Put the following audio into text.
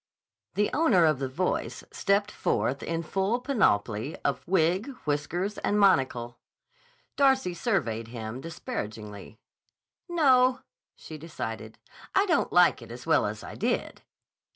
The owner of the voice stepped forth in the full panoply of wig, whiskers, and monocle. Darcy surveyed him disparagingly. "No," she decided. "I don't like it as well as I did."